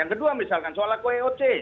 yang kedua misalkan soal koyoc